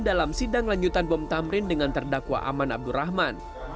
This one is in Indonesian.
dalam sidang lanjutan bom tamrin dengan terdakwa aman abdurrahman